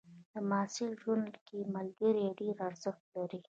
د محصل ژوند کې ملګري ډېر ارزښت لري.